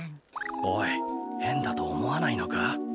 おいへんだとおもわないのか？